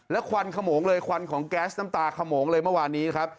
ควันขโมงเลยควันของแก๊สน้ำตาขโมงเลยเมื่อวานนี้ครับ